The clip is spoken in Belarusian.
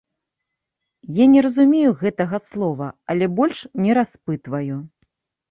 Я не разумею гэтага слова, але больш не распытваю.